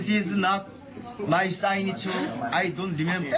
นี่ไม่ใช่แผนของฉันฉันไม่จำเป็น